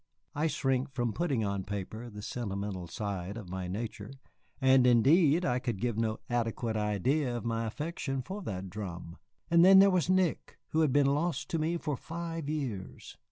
I shrink from putting on paper the sentimental side of my nature, and indeed I could give no adequate idea of my affection for that drum. And then there was Nick, who had been lost to me for five years!